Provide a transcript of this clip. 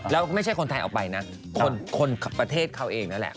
แล้วไม่ใช่คนไทยเอาไปนะคนประเทศเขาเองนั่นแหละ